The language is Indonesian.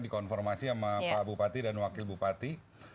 dikonfirmasi sama pak bupati dan wakil bupati